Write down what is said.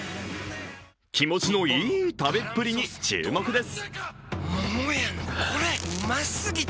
気持ちのいい食べっぷりに注目です。